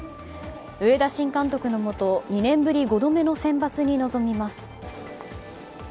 上田新監督のもと２年ぶり５度目のセンバツに臨みます。